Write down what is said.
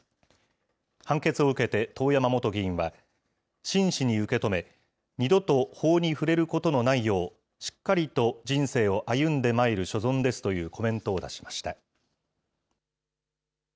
判決を受けて遠山元議員は、真摯に受け止め、二度と法に触れることのないよう、しっかりと人生を歩んでまいる所存ですというコメントを出しました。